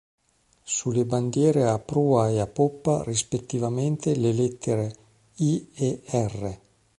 Sulle bandiere a prua e a poppa rispettivamente le lettera "I" e "R".